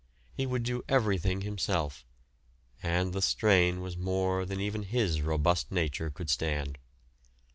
He would do everything himself, and the strain was more than even his robust nature could stand.